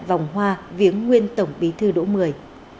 vào viếng nguyên tổng bí thư đỗ mười